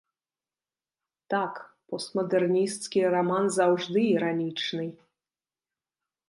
Так, постмадэрнісцкі раман заўжды іранічны.